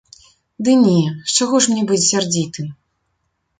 Ды не, з чаго ж мне быць сярдзітым?